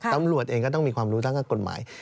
ตำรวจเองก็ต้องมีความรู้ทั้งกฎหมาย